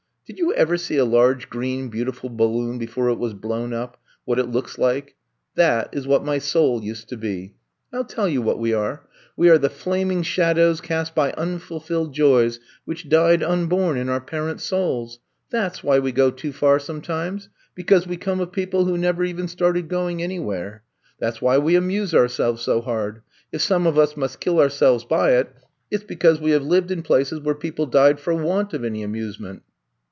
Did you ever see a large, green, beautiful balloon before it was blown up — what it looks like "! That is what my soul used to be. I '11 tell you what we are — we are the flaming sha dows cast by unfulfilled joys which died unborn in our parents ' souls ! That 's why we go too far sometimes — ^because we come of people who never even started going any where. That 's why we amuse ourselves so hard. If some of us must kill ourselves by it, it 's because we have lived in places where people died for want of any amuse ment.